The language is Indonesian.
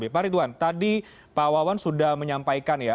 pak ridwan tadi pak wawan sudah menyampaikan ya